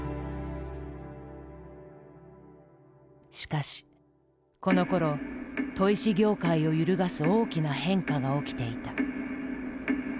しかしこのころ砥石業界を揺るがす大きな変化が起きていた。